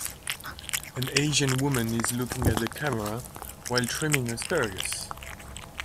An Asian woman is looking at the camera while trimming asparagus